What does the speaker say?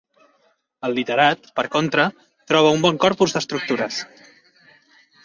El literat, per contra, troba un bon corpus d’estructures.